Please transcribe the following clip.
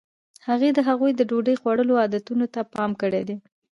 هغې د هغوی د ډوډۍ خوړلو عادتونو ته پام کړی دی.